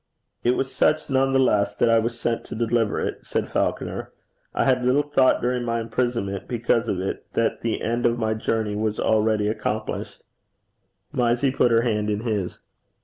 'It was such none the less that I was sent to deliver it,' said Falconer. 'I little thought during my imprisonment because of it, that the end of my journey was already accomplished.' Mysie put her hand in his.